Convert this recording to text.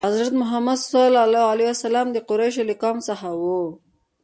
حضرت محمد ﷺ د قریشو له قوم څخه و.